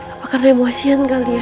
apakah emosihan kali ya